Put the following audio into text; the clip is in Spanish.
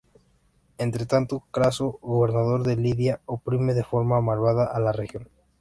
Entre tanto, Craso, gobernador de Lidia, oprime de forma malvada a la región.